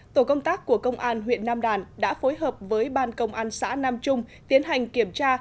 tổ công tác của công an huyện nam đàn đã phối hợp với ban công an xã nam trung tiến hành kiểm tra